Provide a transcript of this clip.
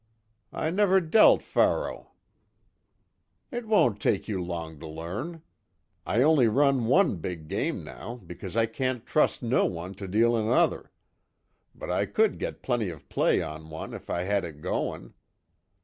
"I never dealt faro." "It won't take you long to learn. I only run one big game now because I can't trust no one to deal another but I could get plenty of play on one if I had it goin'.